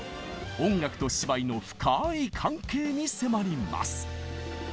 音楽と芝居の深い関係に迫ります。